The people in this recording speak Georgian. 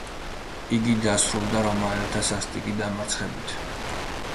იგი დასრულდა რომაელთა სასტიკი დამარცხებით.